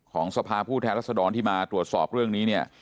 ของสภาพทิศทางลักษณะดอนที่มาตรวจสอบเรื่องนี้เนี่ย